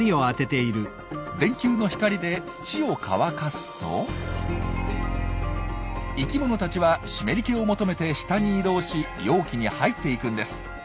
電球の光で土を乾かすと生きものたちは湿り気を求めて下に移動し容器に入っていくんです。